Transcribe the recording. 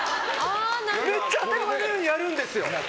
めっちゃ当たり前のようにやるんですよ。